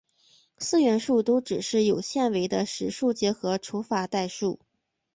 四元数都只是有限维的实数结合除法代数。